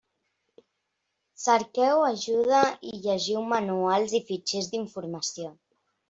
Cerqueu ajuda i llegiu manuals i fitxers d'informació.